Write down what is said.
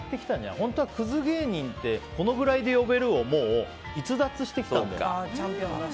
本当はクズ芸人ってこのぐらいで呼べるっていうのを逸脱してきたんだよね。